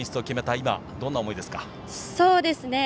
今どんな思いですか。